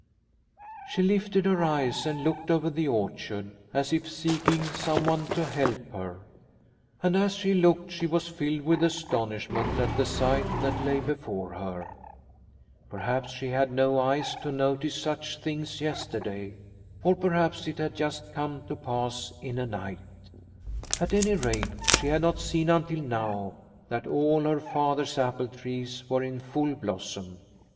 She lifted her eyes and looked over the orchard, as if seeking someone to help her. And as she looked, she was filled with astonishment at the sight that lay before her. Perhaps she had 264 Liliecrona's Home had no eyes to notice such things yesterday, or perhaps it had just come to pass in a night. At any rate, she had not seen until now that all her father's apple trees were in full blossom.